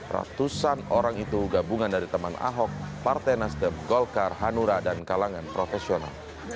ratusan orang itu gabungan dari teman ahok partai nasdem golkar hanura dan kalangan profesional